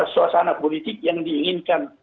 suasana politik yang diinginkan